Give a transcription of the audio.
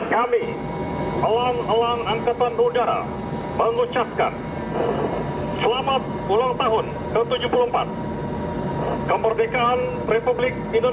kami alam alam angkatan udara